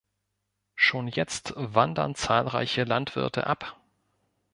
Schon jetzt wandern zahlreiche Landwirte ab.